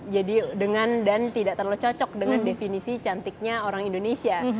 jadi dengan dan tidak terlalu cocok dengan definisi cantiknya orang indonesia